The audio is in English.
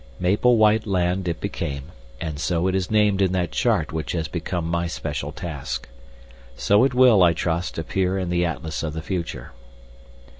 Maple White Land it became, and so it is named in that chart which has become my special task. So it will, I trust, appear in the atlas of the future.